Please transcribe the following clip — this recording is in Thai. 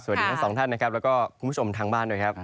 ทั้งสองท่านนะครับแล้วก็คุณผู้ชมทางบ้านด้วยครับ